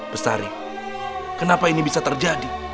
besari kenapa ini bisa terjadi